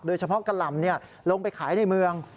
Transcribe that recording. โดยเฉพาะกะหล่ำเนี่ยลงไปขายในเมือง